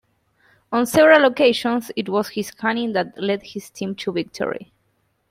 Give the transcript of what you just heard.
On several occasions, it was his cunning that led his team to victory.